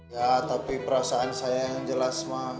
ya tapi perasaan saya yang jelas mah